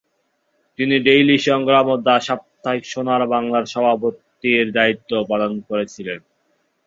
তিনি "ডেইলি সংগ্রাম" ও দ্য সাপ্তাহিক সোনার বাংলার সভাপতির দায়িত্বও পালন করেছিলেন।